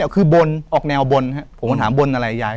คือบนออกแนวบนครับผมก็ถามบนอะไรยาย